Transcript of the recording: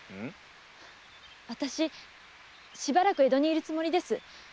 私しばらく江戸にいるつもりです。